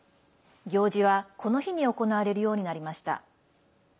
行事は、この日に行われるようになりました。